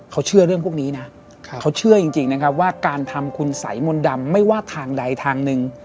เขาเชื่อเรื่องพวกนี้นะเขาเชื่อจริงนะครับว่าการทำคุณสัยมนต์ดำไม่ว่าทางใดทางหนึ่ง